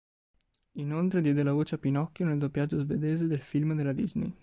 Inoltre, diede la voce a Pinocchio nel doppiaggio svedese del film della Disney.